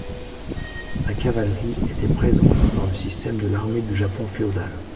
La cavalerie était présente dans le système de l'armée du Japon féodal.